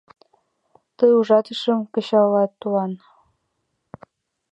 — Тый ужатышым кычалат, туван?..